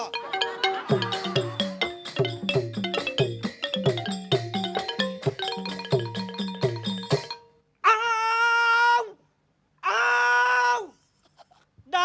โอ้โอ้